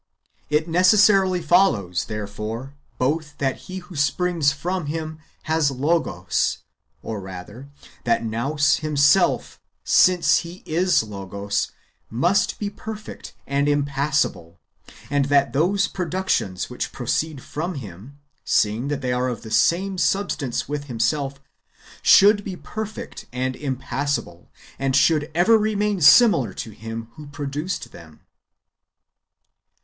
It necessarily follows, therefore, both that he who springs from Him as Logos, or rather that Nous himself, since he is Logos, must be perfect and impassible, and that those productions which proceed from him, seeing that they are of the same substance with himself, should be perfect and impassible, and should ever remain similar to him who produced them.